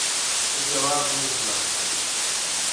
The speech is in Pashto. هېڅ جواب نه وو ترلاسه کړی.